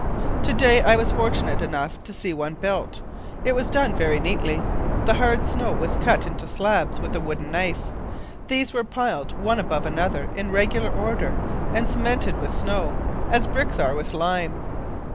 To day I was fortunate enough to see one built. It was done very neatly. The hard snow was cut into slabs with a wooden knife. These were piled one above another in regular order, and cemented with snow as bricks are with lime.